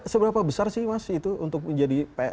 seberapa besar sih mas itu untuk menjadi